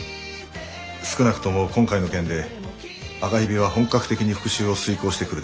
少なくとも今回の件で赤蛇は本格的に復讐を遂行してくるでしょう。